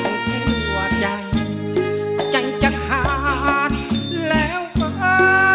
หัวใจใจจะขาดแล้วฟ้า